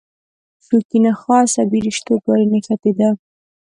شوکي نخاع عصبي رشتو پورې نښتې ده.